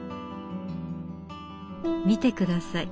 見て下さい。